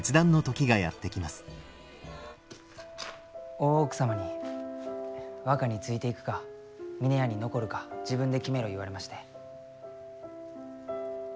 大奥様に若についていくか峰屋に残るか自分で決めろ言われまして。